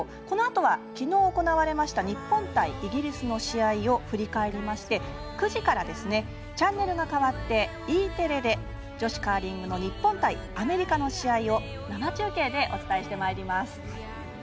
このあとは、きのう行われました日本対イギリスの試合を振り返りまして９時から、チャンネルが変わってＥテレで女子カーリングの日本対アメリカの試合を生中継でお伝えしてまいります。